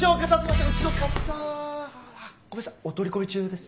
うちの笠原ごめんなさいお取り込み中です？